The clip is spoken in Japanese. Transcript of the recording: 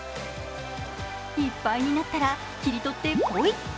いっぱいになったら、切り取ってポイ！